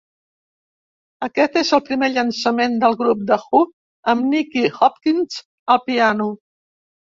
Aquest és el primer llançament del grup The Who amb Nicky Hopkins al piano.